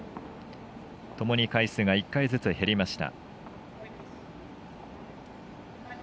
ともに回数が１回ずつ減りました。